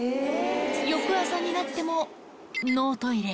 翌朝になっても、ノートイレ。